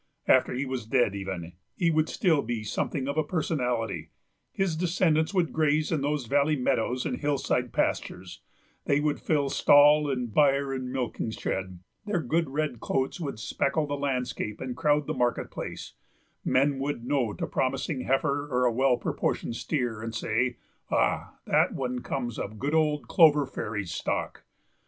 After he was dead, even, he would still be something of a personality; his descendants would graze in those valley meadows and hillside pastures, they would fill stall and byre and milking shed, their good red coats would speckle the landscape and crowd the market place; men would note a promising heifer or a well proportioned steer, and say: "Ah, that one comes of good old Clover Fairy's stock."